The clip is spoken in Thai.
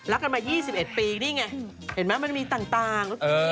กันมา๒๑ปีนี่ไงเห็นไหมมันมีต่าง